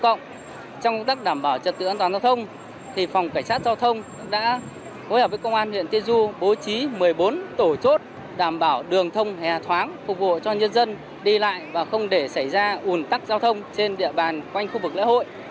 trong công tác đảm bảo trật tự an toàn giao thông phòng cảnh sát giao thông đã hối hợp với công an huyện tiên du bố trí một mươi bốn tổ chốt đảm bảo đường thông hề thoáng phục vụ cho nhân dân đi lại và không để xảy ra ủn tắc giao thông trên địa bàn quanh khu vực lễ hội